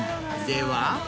では。